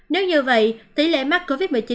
nếu như vậy tỷ lệ mắc covid một mươi chín sẽ tăng hơn